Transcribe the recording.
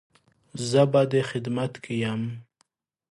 زه به دې خدمت کې يم